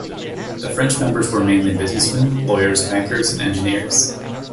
The French members were mainly businessmen, lawyers, bankers and engineers.